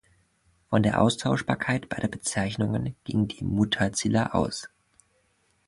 Von der Austauschbarkeit beider Bezeichnungen gingen die Muʿtazila aus.